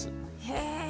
へえ。